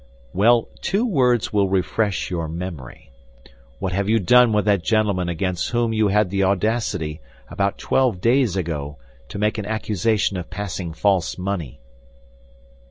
"Well, two words will refresh your memory. What have you done with that gentleman against whom you had the audacity, about twelve days ago, to make an accusation of passing false money?"